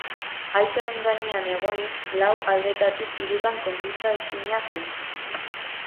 Haitzaren gainean egonik lau aldetatik hirutan konkistaezina zen.